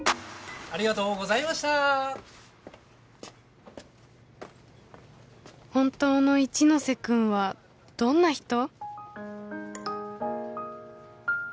ありがとうございました本当の一ノ瀬君はどんな人？